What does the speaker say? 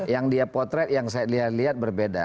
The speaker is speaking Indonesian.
yang dia potret yang saya lihat lihat berbeda